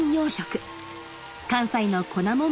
関西の粉もん